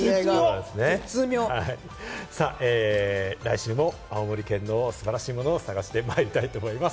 来週も青森県の素晴らしい物を探してまいりたいと思います。